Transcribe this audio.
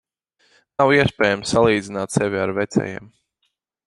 Nav iespējams salīdzināt sevi ar vecajiem.